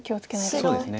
そうですね。